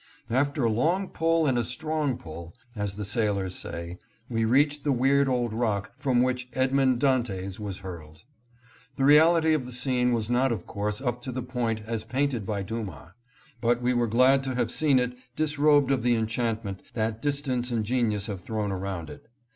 After a long pull and a strong pull, as the sailors say, we reached the weird old rock from which Edmond Dantes was hurled. The reality of the scene was not of course up to the point as painted by Dumas. But we were glad to have seen it disrobed of the enchantment that distance and genius have thrown around it.